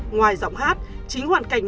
ngoài giọng hát chính hoàn cảnh